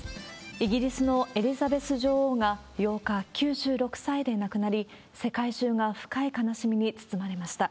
イギリスのエリザベス女王が８日、９６歳で亡くなり、世界中が深い悲しみに包まれました。